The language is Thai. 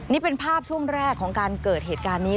นี่เป็นภาพช่วงแรกของการเกิดเหตุการณ์นี้